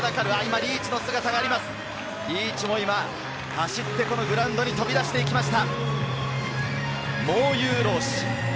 リーチも今、走ってグラウンドに飛び出していきました。